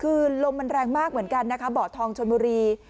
คือลมมันแรงมากเหมือนกันนะคะเบาะทองชนบุรี